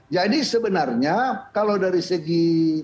jadi sebenarnya kalau dari segi